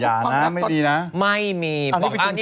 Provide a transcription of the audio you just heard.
อ้าวไม่มีทำไมมาพุกกับแม่สตรวจ